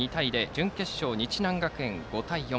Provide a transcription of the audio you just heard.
準決勝は日南学園、５対０。